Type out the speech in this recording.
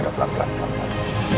ayo pelan pelan pelan pelan